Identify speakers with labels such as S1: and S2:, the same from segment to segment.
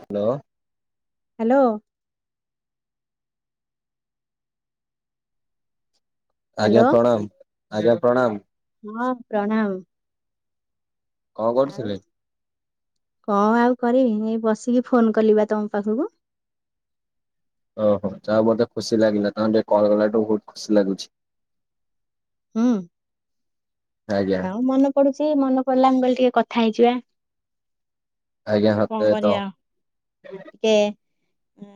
S1: Hello.
S2: Hello. Hello
S1: ଆଜ୍ଞା ପ୍ରଣାମ ଆଜ୍ଞା ପ୍ରଣାମ।
S2: ହଁ ପ୍ରଣାମ।
S1: କଣ
S2: ଆଉ
S1: କରୁଥିଲେ?
S2: କଁ ଆଉ କରିବି ଏଇ ବସିକି ଫୋନ କଲିବା ତମ ପାଖକୁ।
S1: ଓହୋ ଯାହା ହଉ ମୋତେ ଖୁସି ଲାଗିଲା ତମେ ଟିକେ କଲ କଲାଠୁ ବହୁତ ଖୁସି ଲାଗୁଛି।
S2: ହୁଁ
S1: ଆଜ୍ଞା
S2: ଥାଉ ମନେ ପଡ଼ୁଛି ମନେ ପଡ଼ିଲାଣି ବୋଲି ଟିକେ କଥା ହେଇଯିବା।
S1: ଆଜ୍ଞା
S2: କଣ
S1: ମତେ ତ
S2: କରିବା ଟିକେ ଉଁ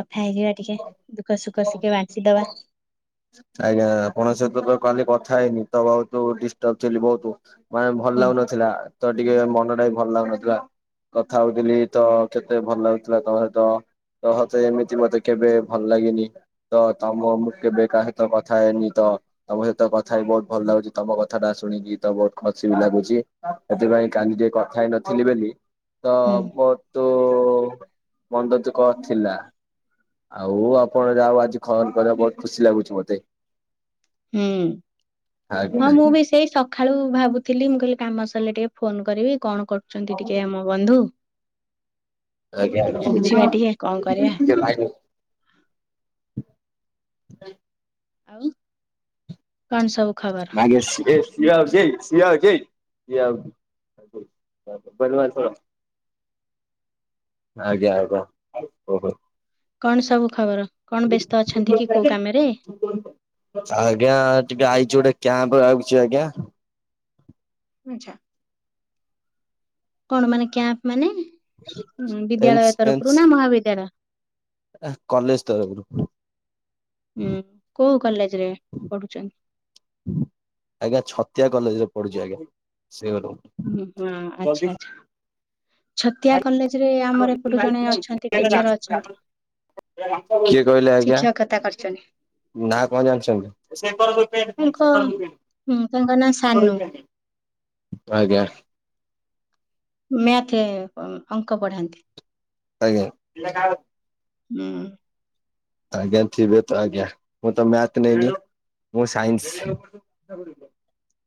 S2: କଥା ହେଇଯିବା ଟିକେ ଦୁଃଖ ସୁଖ ଶିଖେ ବାଣ୍ଟି ଦବା।
S1: ଆଜ୍ଞା ଆପଣଙ୍କ ସହିତ ତ କାଲି କଥା ହେଇନି ତ ବହୁତ ଡିଷ୍ଟର୍ବ ଥିଲି ବହୁତୁ। ମାନେ ଭଲ
S2: ହୁଁ
S1: ଲାଗୁନଥିଲା ତ ଟିକେ ମନଟା ବି ଭଲ ଲାଗୁନଥିଲା। କଥା ହଉଥିଲି ତ କେତେ ଭଲ ଲାଗୁଥିଲା ତମ ସହିତ ତ ସତେ ଏମିତି ମତେ କେବେ ଭଲ ଲାଗେନି ତ ତମ ମୁଁ କେବେ କାହା ସହିତ କଥା ହେଇନି ତ। ତମ ସହିତ କଥା ହେଇକି ବହୁତ ଭଲ ଲାଗୁଛି ତମ କଥାଟା ଶୁଣିକି ତ ବହୁତ ଖସି ବି ଲାଗୁଛି। ଏଥିପାଇଁ କାଲି ଟିକେ କଥା ହେଇନଥିଲି ବେଲି ତ
S2: ହୁଁ
S1: ମୋର ତୁ ମନ୍ଦ ତ କଥିଲା। ଆଉ ଆପଣ ଯାହା ହଉ ଆଜି ଖନ କଲେ ବହୁତ ଖୁସି ଲାଗୁଛି ମତେ।
S2: ହୁଁ ହଁ
S1: ଆଜ୍ଞା।
S2: ମୁଁ ବି ସେଇ ସ ଖାଳୁ ଭାବୁଥିଲି ମୁଁ କହିଲି କାମ ସାରିଲେ ଟିକେ ଫୋନ କରିବି କଣ କରୁଛନ୍ତି ଟିକେ ଆମ ବନ୍ଧୁ।
S1: ଆଜ୍ଞା
S2: ବୁଝିବା
S1: ଆଜ୍ଞା
S2: ଟିକେ କଣ କରିବା
S1: ଟିକେ ଲା
S2: ଆଉ କଣ ସବୁ ଖବର
S1: [unintelligible] ଶିଆ ଅଛି ଶିଆ ଅଛି ଶିଆ [unintelligible] ଏଥର ଆଜ୍ଞା ଆଉ କଣ ଓଗୋ।
S2: କଣ ସବୁ ଖବର? କଣ ବ୍ୟସ୍ତ ଅଛନ୍ତି କି କୋଉ କାମରେ?
S1: ସାଆଜ୍ଞା ଟିକେ ଆଇଛି ଗୋଟେ କ୍ୟାମ୍ପ ଲାଗୁଛି ଆଜ୍ଞା।
S2: ମିଛା କଣ ମାନେ କ୍ୟାମ୍ପ ମାନେ?
S1: ଏନ୍ସ
S2: ବିଦ୍ୟାଳୟ ତରଫରୁ ନା ମହାବିଦ୍ୟାଳୟ?
S1: ଆ କଲେଜ ତରଫରୁ।
S2: ଉଁ କୋଉ କଲେଜରେ ପଢୁଛନ୍?
S1: ଆଜ୍ଞା ଛତିଆ କଲେଜରେ ପଢ଼ୁଛି ଆଜ୍ଞା ସେ
S2: ଉଁ ହୁଁ ଆଚ୍ଛା ଆଚ୍ଛା। ଛତିଆ କଲେଜ ରେ ଆମର ଏପଟୁ ଜଣେ ଅଛନ୍ତି ଟିଚର ଅଛନ୍ତି।
S1: [unintelligible] କିଏ କହିଲେ ଆଜ୍ଞା?
S2: ଶିକ୍ଷକତା କରିଛନ୍ତି
S1: ନାଁ କଣ
S2: ତାଙ୍କ
S1: ଜାଣିଛନ୍ତି?
S2: ହୁଁ ତାଙ୍କ ନାଁ ସାନୁ।
S1: ଆଜ୍ଞା।
S2: ମ୍ୟାଥେ ଅଙ୍କ ପଢ଼ାନ୍ତି।
S1: ଆଜ୍ଞା।
S2: ହୁଁ।
S1: ଆଜ୍ଞା ଥିବେ ତ ଆଜ୍ଞା ମୁଁ ତ ମ୍ୟାଥେ ନେଇନି ମୁଁ ସାଇନ୍ସ। ଆ ବୁଢ଼ୀଟେ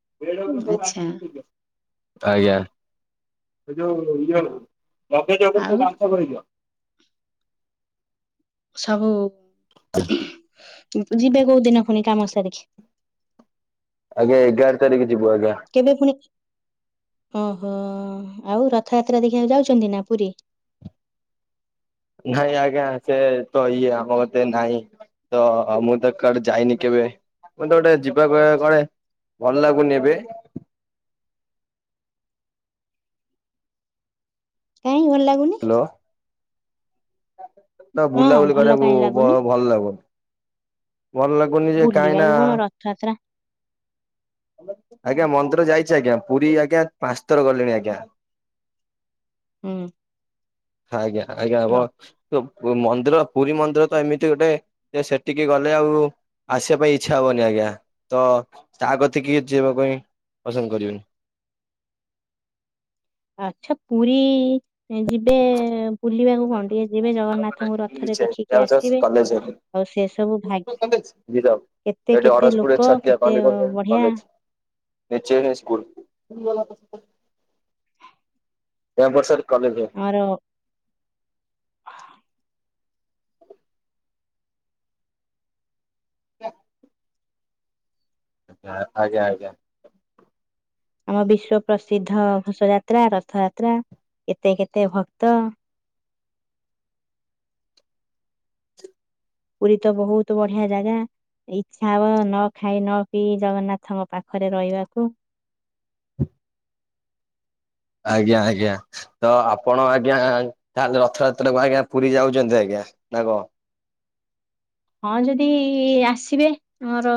S1: ଆଜ୍ଞା
S2: ଆଚ୍ଛା
S1: ସେ ଯୋଉ ଲଗେଜ ଉପରେ ସବୁ ବ୍ୟାଙ୍କସ ଗୁରେଇ
S2: ଆଉ
S1: ଦିଅ।
S2: ସବୁ ଯିବେ କୋଉ ଦିନ ପୁଣି କାମ ସାରିକି?
S1: ଆଜ୍ଞା ଏଗାର ତାରିକି ଯିବୁ ଆଜ୍ଞା।
S2: କେବେ ପୁଣି ଓହୋ ଆଉ ରଥଯାତ୍ରା ଦେଖିବାକୁ ଯାଉଛନ୍ତି ନା ପୁରୀ?
S1: ନାଇଁ ଆଜ୍ଞା ସେ ତ ଇଏ ଆମ କତେ ନାଇଁ। ତ ମୁଁ ତ କୁଆଡେ ଯାଇନି କେବେ ମୁଁ ତ ଗୋଟେ ଯିବା କ କଳେ। ଭଲ ଲାଗୁନି ଏବେ
S2: କାହିଁ ଭଲ ଲାଗୁନି?
S1: ହ୍ୟାଲୋ ତ
S2: ହଁ
S1: ବୁଲାବୁଲି
S2: ଭଲ
S1: କରିବାକୁ
S2: କାହିଁ
S1: ବ
S2: ଲାଗୁନି
S1: ଭଲ ଲାଗୁ ଭଲ ଲାଗୁନି ଯେ କାହିଁ ନା
S2: ଛତା
S1: ଆଜ୍ଞା ମନ୍ଦିର ଯାଇଛି ଆଜ୍ଞା ପୁରୀ ଆଜ୍ଞା ପାଞ୍ଚଥର ଗଲିଣି ଆଜ୍ଞା।
S2: ହୁଁ।
S1: ଆଜ୍ଞା ଆଜ୍ଞା ହବ।
S2: ର
S1: ମନ୍ଦିର ପୁରୀ ମନ୍ଦିର ତ ଏମିତି ଗୋଟେ ଯେ ସେଠିକି ଗଲେ ଆଉ ଆସିବା ପାଇଁ ଇଚ୍ଛା ହବନି ଆଜ୍ଞା ତ ତା କତିକିି ଯିବାକୁଇ ପସନ୍ଦ କରିବନି।
S2: ଆଚ୍ଛା ପୁରୀ ଯିବେ ବୁଲିବାକୁ
S1: [unintelligible]
S2: କଣ ଟିକେ ଯିବେ
S1: କଲେଜ।
S2: ଜଗନ୍ନାଥଙ୍କୁ ରଥରେ ଦେଖିକି ଆସିବେ।
S1: [inaudible]
S2: ଆଉ ସେ ସବୁ ଭା କେତେ
S1: ଏଇଠି
S2: କେତେ
S1: ଅରସପୁରରେ
S2: ଲୋକ
S1: ଛଟିଆ
S2: କେତେ
S1: [unintelligible]
S2: ବଢିଆ
S1: କଲେଜ। [unintelligible] ଟେପ୍ରରି କଲେଜ।
S2: ଆର ହ
S1: [inaudible] ଆଜ୍ଞା ଆଜ୍ଞା।
S2: ଆମ ବିଶ୍ଵ ପ୍ରସିଦ୍ଧ ଘୋଷ ଯାତ୍ରା ରଥଯାତ୍ରା କେତେ କେତେ ଭକ୍ତ ପୁରୀ ତ ବହୁତ ବଢିଆ ଜାଗା। ଇଚ୍ଛା ହବ ନ ଖାଇ ନ ପିଇ ଜଗନ୍ନାଥଙ୍କ ପାଖରେ ରହିବାକୁ।
S1: ଆଜ୍ଞା ଆଜ୍ଞା। ତ ଆପଣ ଆଜ୍ଞା ତାହେଲେ ରଥଯାତ୍ରାକୁ ଆଜ୍ଞା ପୁରୀ ଯାଉଛନ୍ତି ଆଜ୍ଞା ନା କ?
S2: ହଁ ଯଦି ଆସିବେ ମୋର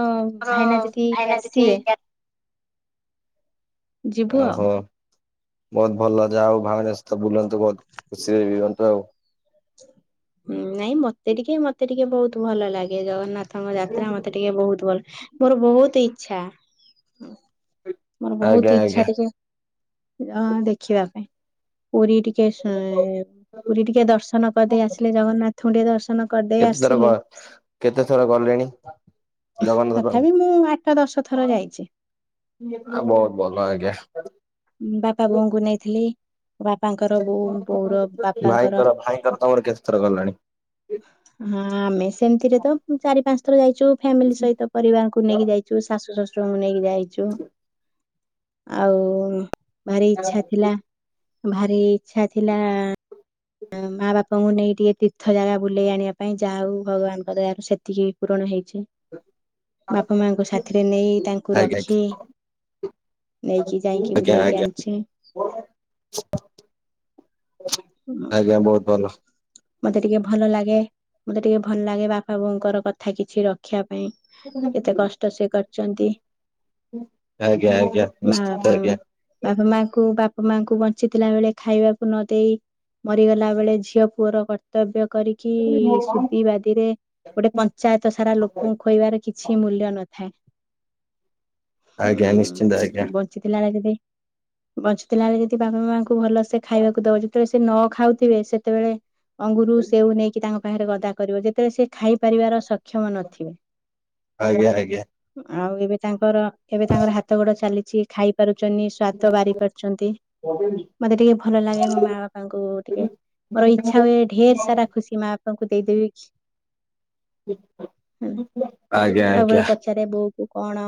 S2: ଭାଇନା ଯଦି ଆସିବେ। ଯିବୁ ଆଉ।
S1: ଓହୋ ବହୁତ ଭଲ ଯାହା ହଉ ଭାଇନା ସହିତ ବୁଲନ୍ତୁ ବହୁତ ଖୁସିରେ ରିଅନ୍ତୁ ଆଉ।
S2: ହୁଁ ନାଇଁ ମତେ ଟିକେ ମତେ ଟିକେ ବହୁତ ଭଲ ଲାଗେ ଜଗନ୍ନାଥ ତାଙ୍କ ଯାତ୍ରା ମତେ ଟିକେ ବହୁତ ଭଲ ମୋର ବହୁତ ଇଚ୍ଛା। ମୋର
S1: ଆଜ୍ଞା
S2: ବହୁତ
S1: ଆଜ୍ଞା
S2: ଇଚ୍ଛା ଟିକେ ଆ ଦେଖିବା ପାଇଁ ପୁରୀ ଟି କେସ ହୁଁ ପୁରୀ ଟିକେ ଦର୍ଶନ କରିଦେଇ ଆସିଲେ ଜଗନ୍ନାଥଙ୍କୁ ଟିକେ ଦର୍ଶ
S1: କେତେ ଥର ଗ କେତେ ଥର ଗଲେଣି? ଜଗନ୍ନାଥ
S2: ତଥାପି
S1: ପାଖକୁ
S2: ମୁଁ ଆଠ ଦଶ ଥର ଯାଇଚି।
S1: ଆ ବହୁତ ଭଲ ଆଜ୍ଞା।
S2: ବାପା ବୋଉଙ୍କୁ ନେଇଥିଲି ବାପାଙ୍କର ବୋଉ ବୋଉର ବାପାଙ୍କର।
S1: ଭାଇଙ୍କର ଭାଇଙ୍କର ତମର କେତେଥର ଗଲାଣି
S2: ହଁ ଆମେ ସେମିତିରେ ତ ଚାରି ପାଞ୍ଚ ଥର ଯାଇଛୁ ଫ୍ୟାମିଲି ସହିତ। ପରିବାଙ୍କୁ ନେଇକି ଯାଇଚୁ ଶାଶୁ ଶଶୁରଙ୍କୁ ନେଇକି ଯାଇଚୁ ଆଉ ଭାରି ଇଚ୍ଛା ଥିଲା ଭାରି ଇଚ୍ଛା ଥିଲା ଆ ମା ବାପାଙ୍କୁ ନେଇ ଟିକେ ତୀର୍ଥ ଜାଗା ବୁଲେଇ ଆଣିବା ପାଇଁ ଯାହା ହଉ ଭଗବାନଙ୍କ ଦୟାରୁ ସେତିକି ପୂରଣ ହେଇଚି। ବାପା ମାଆଙ୍କୁ ସାଥିରେ ନେଇ ତାଙ୍କୁ
S1: ଆଜ୍ଞା
S2: ରଖି
S1: ଆଜ୍ଞା
S2: ନେଇକି ଯାଇକି
S1: ଆଜ୍ଞା
S2: ବୁଲେଇକି
S1: ଆଜ୍ଞା
S2: ଆଣଚି।
S1: ଆଜ୍ଞା ବହୁତ ଭଲ।
S2: ମତେ ଟିକେ ଭଲ ଲାଗେ ମତେ ଟିକେ ଭଲ ଲାଗେ ବାପା ବୋଉଙ୍କର କଥା କିଛି ରଖିବା ପାଇଁ। କେତେ କଷ୍ଟ ସେ କରଚନ୍ତି
S1: ଆଜ୍ଞା
S2: ମା
S1: ନିଶ୍ଚିନ୍ତ
S2: ବାପା
S1: ଆଜ୍ଞା
S2: ବାପା ମାଙ୍କୁ ବାପା ମାଙ୍କୁ ବଞ୍ଚିଥିଲା ବେଳେ ଖାଇବାକୁ ନ ଦେଇ ମରିଗଲା ବେଳେ ଝିଅ ପୁଅର କର୍ତ୍ତବ୍ୟ କରିକି ସୁଦ ବାଦିରେ ଗୋଟେ ପଞ୍ଚାୟତ ସାରା ଲୋକଙ୍କୁ ଖୁଇବାର କିଛି ମୂଲ୍ୟ ନଥାଏ।
S1: ଆଜ୍ଞା ନିଶ୍ଚିନ୍ତ ଆଜ୍ଞା।
S2: ବଞ୍ଚିଥିଲାଳେ ଯଦି ବଞ୍ଚିଥିଲାବେଳେ ଯଦି ବାପା ମାଙ୍କୁ ଭଲ ସେ ଖାଇବାକୁ ଦଉଛି ବେଳେ ସେ ନ ଖାଉଥିବେ ସେତେବେଳେ ଅଙ୍ଗୁର ସେଉ ନେଇକି ତାଙ୍କ ପାଖରେ ଗଦା କରିବ ଯେତେବେଳେ ସେ ଖାଇପାରିବାର ସକ୍ଷମ ନଥିବେ।
S1: ଆଜ୍ଞା ଆଜ୍ଞା।
S2: ଆଉ ଏବେ ତାଙ୍କର ଏବେ ତାଙ୍କର ହାତ ଗୋଡ ଚାଲିଛି ଖାଇ ପାରୁଛନ୍ତି, ସାତ ବାରି କରିଛନ୍ତି ମତେ ଟିକେ ଭଲ ଲାଗେ ମୋ ମା ବାପାଙ୍କୁ ଟିକେ ମୋର ଟିକେ ଇ ଇଚ୍ଛା ହୁଏ ଢେର ସାରା ଖୁସି ମା ବାପା ନଙ୍କୁ ଦେଇଦେବି କି
S1: ଆଜ୍ଞା ଆଜ୍ଞା
S2: ସବୁବେଳେ ପ ଇଛାରେ ବୋଉ କୁ କଣ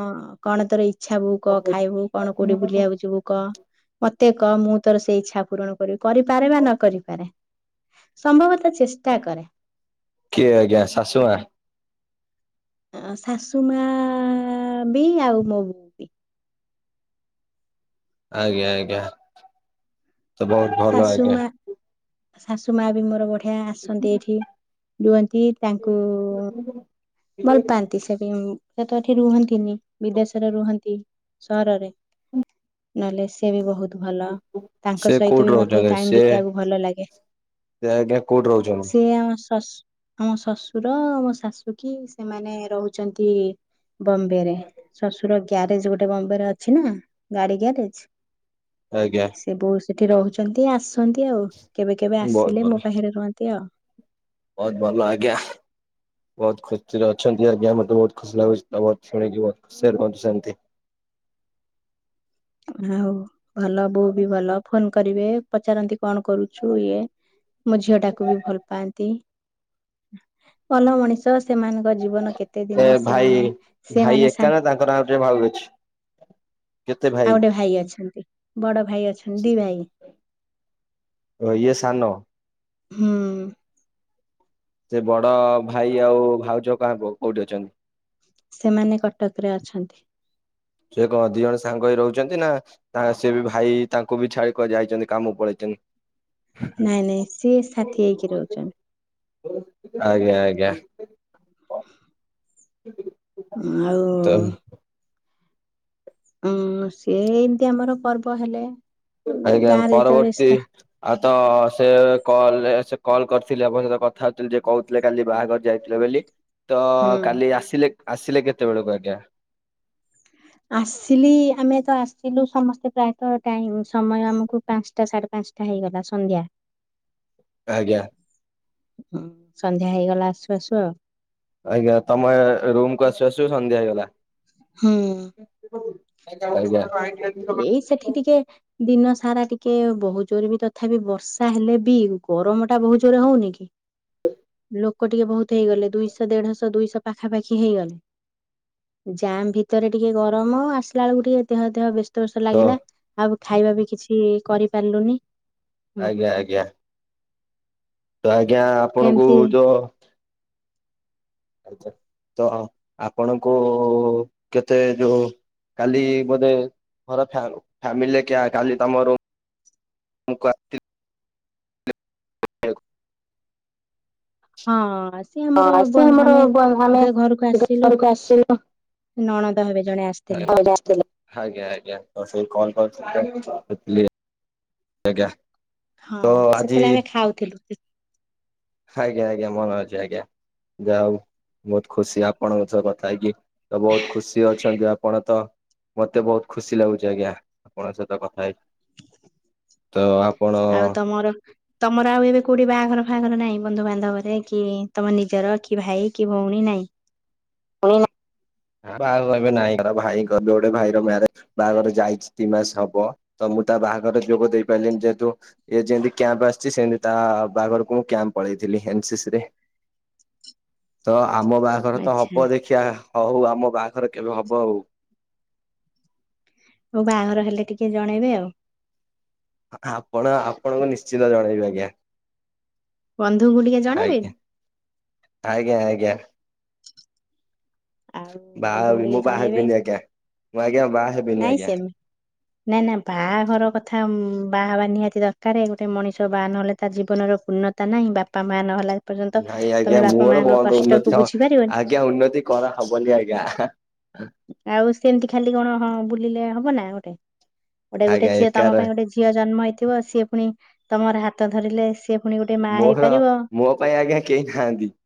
S2: କଣ ତୋ ଇ ଇଛାବୁ କହ ଖାଇବୁ କଣ କୋଉଠି ଭୁଲି ଆକୁୁଯିବୁ କହ? ମତେ କହ ମୁଁ ତୋର ସେଇ ଇଚ୍ଛା ପୂରଣ କରିବି କରିପାରେ ବା ନ କରିପାରେ। ସମ୍ଭବତ ଚେଷ୍ଟା କରେ।
S1: କିଏ ଆଜ୍ଞା ଶାଶୁମାଆ?
S2: ଅ ଶାଶୁମା ବି ଆଉ ମୋ ବୋ
S1: ଆଜ୍ଞା ଆଜ୍ଞା। ତ ବହୁତ ଭଲ
S2: ଶାଶୁ
S1: ଆଜ୍ଞା।
S2: ମା ଶାଶୁ ମା ବି ମୋର ବଢିଆ ଆସନ୍ତି ଏଇଠି। ରୁହନ୍ତି ତାଙ୍କୁ ଭଲ ପାଆନ୍ତି ସେପ ସେ ତ ଏଠି ରୁହନ୍ତିନି ବିଦେଶରେ ରୁହନ୍ତି ସହରରେ, ନହେଲେ ସେ ବି ବହୁତ ଭଲ ତାଙ୍କ
S1: ସେ
S2: ସହିତ ମତେ
S1: କୋଉଠି
S2: ବି ମତେ
S1: ରହୁଛନ୍ତି
S2: ଟାଇମ
S1: ସେ
S2: ବିତେଇବାକୁ ଭଲ ଲାଗେ।
S1: ସେ ଆଜ୍ଞା କୋଉଠି ରହୁଛନ୍ତି
S2: ସିଏ ବି ଆମ ଶା ଆମ ଶ୍ୱଶୁର ମୋ ଶାଶୁ କି ସେମାନେ ରହୁଛନ୍ତି ବମ୍ବେରେ। ଶ୍ୱଶୁର ଗ୍ୟାରେଜ ଗୋଟେ ବମ୍ବେ ରେ ଅଛି ନା ଗାଡି ଗ୍ୟାରେଜ।
S1: ଆଜ୍ଞା।
S2: ସେ ବୋ ସେଠି ରହୁଛନ୍ତି ଆସନ୍ତି ଆଉ କେବେ କେବେ
S1: ବହୁତ
S2: ଆସିଲେ
S1: ଭଲ।
S2: ମୋ ପାଖରେ ରୁହନ୍ତି ଆଉ।
S1: ବହୁତ ଭଲ ଆଜ୍ଞା। ବହୁତ ଖୁସି ରେ ଅଛନ୍ତି ଆଜ୍ଞା ମତେ ବହୁତ ଖୁସି ଲାଗୁଛି ବତ ଶୁଣିକି ବହୁତ ଖୁସିରେ ରୁହୁନ୍ତୂ ସେମିତି।
S2: ଆଉ ଭଲ ବୋଉ ବି ଭଲ ଫୋନ କରିବେ, ପଚାରନ୍ତି କଣ କରୁଛୁ ଇଏ ମୋ ଝିଅ ଟାକୁ ବି ଭଲ ପାଆନ୍ତି। ଭଲ ମଣିଷ ସେମାନଙ୍କ ଜୀବନ କେତେ ଦିନ ସେମାନେ ସେମାନେ
S1: ତାର ଆଉ ଟିକେ ଭାଉ ଅଛି।
S2: ଆଉ ଗୋଟେ ଭାଇ ଅଛନ୍ତି। ବଡ ଭାଇ ଅଛନ୍ତି। ଦି ଭାଇ।
S1: ଓ ୟଏ ସାନ?
S2: ହୁଁ।
S1: ସେ ବଡ ଭାଇ ଆଉ ଭାଉଜ କାଣ କୋଉଠି ଅଛନ୍ତି?
S2: ସେମାନେ କଟକରେ ଅଛନ୍ତି।
S1: ସିଏ କଣ ଦି ଜଣ ସାଙ୍ଗ ହେଇ ରହୁଛନ୍ତି ନା ତା ସିଏ ବି ଭାଇ ତାଙ୍କୁ ବି ଛାଡିକ କୁଆଡ଼େ ଯାଇଛନ୍ତି କାମକୁ ପଳେଇଛନ୍ତି।
S2: ନାଇଁ ନାଇଁ ସିଏ ସାଥି ହେଇକି ରହୁଛନି।
S1: ଆଜ୍ଞା ଆଜ୍ଞା। ତ
S2: ଆଉ, ଆଁ ସିଏ ଏମିତି ଆମର ପର୍ବ ହେଲେ,
S1: ଆଜ୍ଞା
S2: ଗାଁରେ ଯେତେବେଳେ
S1: ପରବର୍ତ୍ତୀ
S2: ସା
S1: ଆଉ ତ ସେ କଲ ରେ ସେ କଲ୍ କରିଥିଲି ଆପଣଙ୍କ ସହିତ କଥା ହଉଥିଲି ଯେ କହୁଥିଲେ କାଲି ବାହାଘର ଯାଇଥି ଥିଲେ ବୋଲି ତ
S2: ହୁଁ।
S1: କାଲି ଆସିଲେ ଆସିଲେ କେତେବେଳକୁ ଆଜ୍ଞା?
S2: ଆସିଲି ଆମେ ତ ଆସିଲୁ ସମସ୍ତେ ପ୍ରାୟତ ଟାଇମ୍ ସମୟ ଆମକୁ ପାଞ୍ଚଟା ସାଢେ ପାଞ୍ଚଟା ଟା ହେଇଗଲା ସନ୍ଧ୍ୟା,
S1: ଆଜ୍ଞା।
S2: ହଁ ସନ୍ଧ୍ୟା ହେଇଗଲା ଆସୁ ଆସୁ ଆଉ
S1: ଆଜ୍ଞା ତମେ ରୁମ କୁ ଆସୁ ଆସୁ ସନ୍ଧ୍ୟା ହେଇଗଲା।
S2: ହୁଁ।
S1: [unintelligible] ଆଜ୍ଞା
S2: ଏଇ ସେଠି ଟିକେ ଦିନ ସାରା ଟିକେ ବହୁତ ଜୋର ବି ତଥାପି ବର୍ଷା ହେଲେ ବି ଗରମ ଟା ବହୁତ ଜୋରରେ ହଉନି କି? କି ଲୋକ ଟିକେ ବହୁତ ହେଇଗଲେ ଦୁଇଶହ ଦେଢଶହ ଦୁଇଶହ ପାଖାପାଖି ହେଇଗଲେ। ଜାମ୍ ଭିତରେ ଟିକେ ଗରମ ଆସିଲା ବେଳକୁ ଟିକେ ଦେହ ଦେହ ବ୍ୟସ୍ତ ଶୋଷ
S1: ତ
S2: ଲାଗିଲା ଆଉ ଖାଇବା ବି କିଛି କରିପାରିଲୁନି। ହୁଁ,
S1: ଆଜ୍ଞା ଆଜ୍ଞା ତ ଆଜ୍ଞା ଆପଣଙ୍କୁ
S2: ସେମିତି
S1: ଯୋ ଆଚ୍ଛା ତ ଆପଣଙ୍କୁ କେତେ ଯୋଉ କାଲି ବୋଧେ ଘର ଫାମ୍ ଫେମିଲି କିଆ କାଲି ତମର ମୁଁ କରିଥିଲି [unintelligible]
S2: ହଁ ସିଏ ଆମର
S1: ହଁ ସେ
S2: ବ
S1: ଆମର
S2: ଆମେ
S1: ଆମେ
S2: ଯେତବେଳେ ଘରକୁ ଆସିଲୁ।
S1: ଘରକୁ ଆସିଲୁ
S2: ନଣନ୍ଦ ହେବେ ଜଣେ ଆସ
S1: ଭାଉଜ ଆସିଥିଲେ। ଆଜ୍ଞା ଆଜ୍ଞା ତ ସେଇ କଲ୍ [unintelligible] କରିଚି
S2: ହଁ ସେତେବେଳେ ଆମେ ଖାଉଥିଲୁ।
S1: ଆଜ୍ଞ ଆଜ୍ଞା ମୋନୋଅଛି ଆଜ୍ଞା ଯାହା ହଉ ବହୁତ ଖୁସି ଆପଣଙ୍କ ସହ କଥା ହେଇକି ତ ବହୁତ ଖୁସି ଅଛନ୍ତି ଆପଣ ତ? ମତେ ବହୁତ ଖୁସି ଲାଗୁଛି ଆଜ୍ଞା ଆପଣଙ୍କ ସହିତ କଥା ହେଇକି ତ ଆପ
S2: ଆଉ ତମର ତମର ଆଉ ଏବେ କୋଉଠି ବାହାଘର ଫାହାଘର ନାହିଁ ବନ୍ଧୁବାନ୍ଧବରେ କି ତମ ନିଜର କି ଭାଇ କି ଭଉଣୀ ନାଇଁ
S1: ହଁ [inaudible] ନା ବାହାଘର ଏବେ ନାଇଁ ଘ ଭାଇଙ୍କ ଜୋଡେ ଭାଇର ମ୍ୟାରେଜ ବାହାଘର ଯାଇଛି ଦି ମାସ ହବ ତ ମୁଁ ତା ବାହାଘର ଯୋଗ ଦେଇ ପାରିଲିନି ଯେହେତୁ ଏ ଯେମିତି କ୍ୟାମ୍ପ ଆସିଛି ସେମତି ତା ବାଘରକୁ ମୁଁ କ୍ୟାମ୍ପ ପଳେଇଥିଲି ଏନ ସି ସି ରେ ତ ଆମ ବାହାଘର ତ
S2: ଆଚ୍ଛା
S1: ହବ ଦେଖିିବା ହଉ ଆମ ବାହାଘର କେବେ ହବ ହଉ।
S2: ହଉ ବାହାଘର ହେଲେ ଟିକେ ଜଣେଇବେ ଆଉ
S1: ଆପଣ ଆପଣଙ୍କୁ ନିଶ୍ଚିତ ଜଣେଇବି ଆଜ୍ଞା।
S2: ବନ୍ଧୁଙ୍କୁ ଟିକେ ଜଣେଇବେନି।
S1: ଆଜ୍ଞା ଆଜ୍ଞା ଆଜ୍ଞା।
S2: ଆଉ
S1: ବାହା
S2: ବନ୍ଧୁଙ୍କୁ
S1: ହେବି
S2: ଟିକେ
S1: ମୁଁ ବାହା
S2: ଜଣେଇବେ
S1: ହେବିନି ଆଜ୍ଞା ମୁଁ ଆଜ୍ଞା ବାହା ହେବିନି
S2: ନାଇଁ
S1: ଆଜ୍ଞା।
S2: ସେମି ନା ନା ବାହାଘର କଥା ବାହାହବା ନିହାତି ଦରକାରେ ଗୋଟେ ମଣିଷ ବାହା ନହେଲେ ତାର ଜୀବନର ଉନ୍ନତ ତା ନହିଁ ବାପା ମା ନହଲା ଏ ପର୍ଯ୍ୟନ୍ତ
S1: ନାଇଁ ଆଜ୍ଞା
S2: ତମେ ବାପା
S1: ମୋର
S2: ମାଙ୍କ
S1: ବନ୍ଦ
S2: କଷ୍ଟ
S1: ଉନ୍ନତି
S2: କୁ
S1: ହ
S2: ବୁଝିପାରିବନି।
S1: ଆଜ୍ଞା ଉନ୍ନତି କରାହବନି ଆଜ୍ଞା।
S2: ଆଉ ସେମତି ଖାଲି କଣ ହ ବୁଲିଲେ ହବ ନା ଗୋଟେ ଗୋଟେ ଗୋଟେ
S1: ଆଜ୍ଞା
S2: ଝିଅ
S1: ଏକା
S2: ତମ
S1: ରହେ
S2: ପାଇଁ ଗୋଟେ ଝିଅ ଜନ୍ମ ହେଇଥିବ ସିଏ ପୁଣି ତମର ହାତ ଧରିଲେ ସି
S1: ମୋର ମୋ ପାଇଁ ଆଜ୍ଞା କେହି ନାହାନ୍ତି।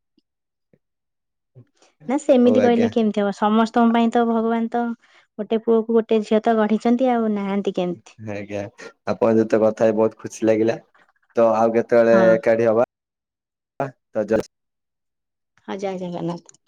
S1: [inaudible]
S2: ନା
S1: ହଉ
S2: ସେମିତି
S1: ଆଜ୍ଞା
S2: କହିଲେ କେମିତି ଥ ସମସ୍ତଙ୍କ ପାଇଁ ତ ଭଗବାନ ତ ଗୋଟେ ପୁଅକୁ ଗୋଟେ ଝିଅ ତ ଗଢିଛନ୍ତି। ଆଉ ନାହାନ୍ତି କେମିତି
S1: ଆଜ୍ଞା ଆପଣ ଯତେ କଥା ହେଇ ବହୁତ ଖୁସି ଲାଗିଲା ତ ଆଉ କେତେବେଳେ
S2: ହଁ
S1: ଏକାଠି ହବା। ହ ତ [unintelligible]
S2: ହଁ ଜୟ ଜଗନ୍ନାଥ।